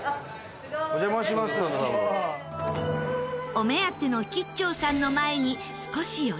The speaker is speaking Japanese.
お目当ての吉兆さんの前に少し寄り道。